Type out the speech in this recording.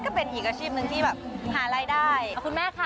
นี่เป็นข้อมูลภลีเว้ย